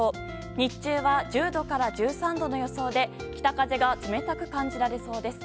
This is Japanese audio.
日中は１０度から１３度の予想で北風が冷たく感じられそうです。